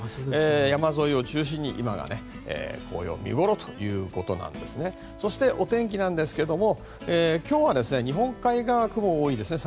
山沿いを中心に今が紅葉見ごろということでお天気なんですが今日は日本海側雲が多いですね。